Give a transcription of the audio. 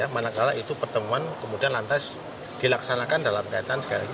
manakala itu pertemuan kemudian lantas dilaksanakan dalam kaitan sekali lagi